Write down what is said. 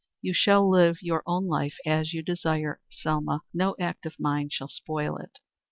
"You shall live your own life as you desire, Selma. No act of mine shall spoil it."